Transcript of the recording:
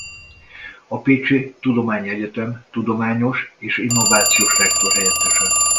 A Pécsi Tudományegyetem tudományos és innovációs rektorhelyettese.